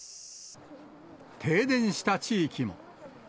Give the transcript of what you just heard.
停電した地域も。